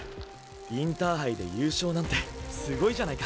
インターハイで優勝なんてすごいじゃないか！